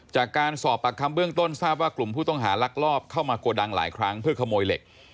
จากการสอบปากคำเบื้องต้นทราบว่ากลุ่มผู้ต้องหาลักลอบเข้ามาโกดังหลายครั้งเพื่อขโมยเหล็ก